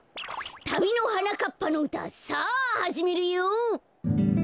たびのはなかっぱのうたさあはじめるよ！